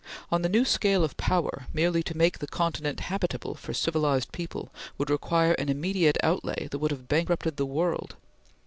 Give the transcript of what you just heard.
On the new scale of power, merely to make the continent habitable for civilized people would require an immediate outlay that would have bankrupted the world.